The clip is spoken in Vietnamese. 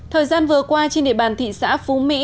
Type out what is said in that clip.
thời gian vừa qua trên địa bàn thị xã phú mỹ